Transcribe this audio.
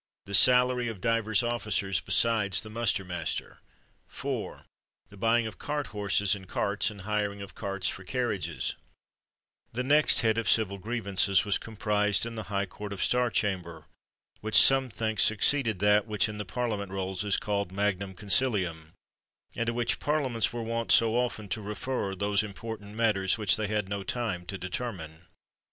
The salary of divers officers besides the muster master. 4. The buying of cart horses and carts, and hiring of carts for carriages. 61 THE WORLD'S FAMOUS ORATIONS The next head of civil grievances was com prised in the high court of star chamber, which some think succeeded that which in the parlia ment rolls is called magnum concilium, and to which parliaments were wont so often to refer those important matters which they had no time to determine.